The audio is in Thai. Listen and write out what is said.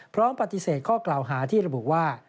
พร้อมปฏิเสธข้อกล่าวหาที่ระบุว่า